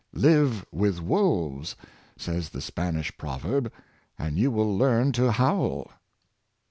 "Live with wolves," says the Spanish proverb, " and you will learn to howl."